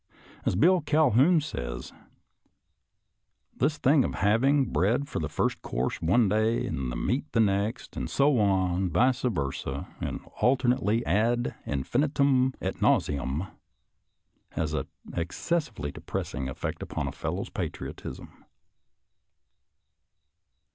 As Bill Calhoun says, " This thing of having bread for the first course one day, and meat the next, and so on, vice versa and alternately ad in finitum et nauseam, has an excessively depress ing effect upon a fellow's patriotism."